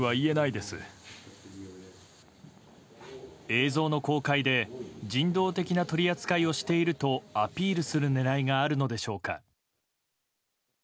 映像の公開で人道的な取り扱いをしているとアピールする狙いがあるのでしょうか。